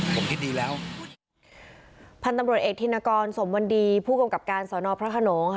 พันธุ์ตำรวจเอกทินกรสมวนดีผู้กำกับการสวนอพระขนง